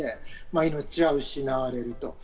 命は失われると。